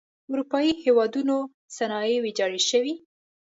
اروپايي هېوادونو صنایع ویجاړې شوئ.